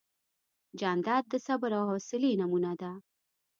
جانداد د صبر او حوصلې نمونه ده.